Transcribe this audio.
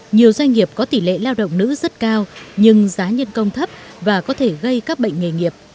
nhiều doanh nghiệp có tỷ lệ lao động nữ rất cao nhưng giá nhân công thấp và có thể gây các bệnh nghề nghiệp